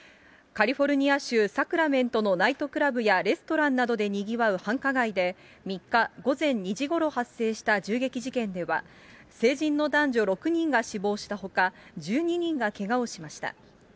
カリフォルニア州サクラメントのナイトクラブやレストランなどでにぎわう繁華街で、３日午前２時ごろ発生した銃撃事件では、成人の男女６人が死亡したほか、１２人がけがをしました。